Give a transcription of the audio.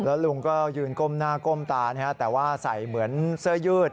แล้วลุงก็ยืนก้มหน้าก้มตาแต่ว่าใส่เหมือนเสื้อยืด